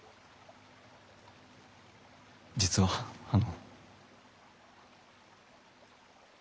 実はあの。